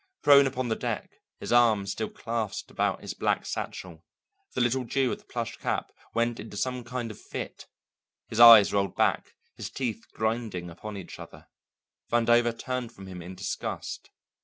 Prone upon the deck, his arms still clasped about his black satchel, the little Jew of the plush cap went into some kind of fit, his eyes rolled back, his teeth grinding upon each other. Vandover turned from him in disgust.